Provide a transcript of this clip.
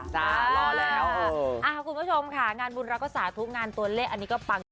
จ้ารอแล้วคุณผู้ชมค่ะงานบุญเราก็สาธุงานตัวเลขอันนี้ก็ปัง